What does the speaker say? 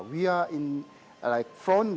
kami berada di